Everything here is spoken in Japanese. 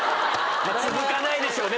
続かないでしょうね。